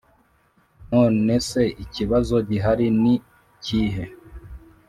nonese ikibazo gihari nikihe